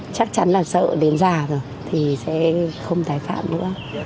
chắc chắn là sợ đến già rồi thì sẽ không tái phạm nữa